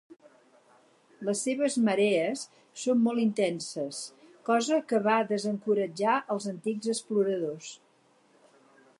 Les seves marees són molt intenses, cosa que va desencoratjar els antics exploradors.